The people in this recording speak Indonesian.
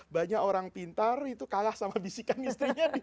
banyak orang pintar itu kalah sama bisikan istrinya